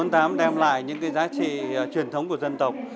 trèo bốn mươi tám đem lại những giá trị truyền thống của dân tộc